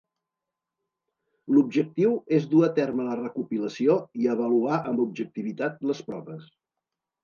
L'objectiu és dur a terme la recopilació i avaluar amb objectivitat les proves.